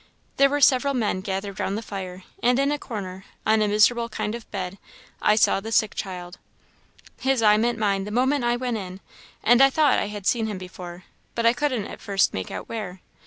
There were several men gathered round the fire, and in a corner, on a miserable kind of bed, I saw the sick child. His eye met mine the moment I went in, and I thought I had seen him before, but couldn't at first make out where.